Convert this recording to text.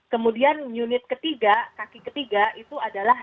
kemudian unit ketiga kaki ketiga itu adalah